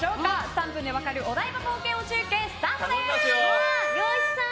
３分で分かるお台場冒険王中継スタートです！